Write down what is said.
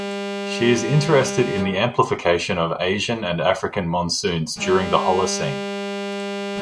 She is interested in the amplification of Asian and African monsoons during the holocene.